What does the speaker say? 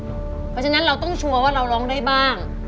เพราะฉะนั้นเราต้องชัวร์ว่าเราร้องได้บ้าง